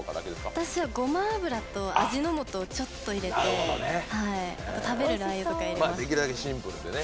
私は、ごま油と味の素をちょっと入れて食べるラー油とか入れて。